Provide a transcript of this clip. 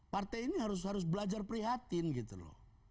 partai ini harus belajar prihatin gitu loh